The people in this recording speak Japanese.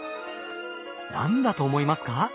何だと思いますか？